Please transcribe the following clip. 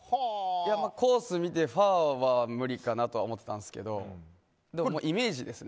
コースを見てファーは無理かなと思ったんですけどイメージですね。